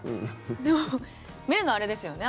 でも、見るのはあれですよね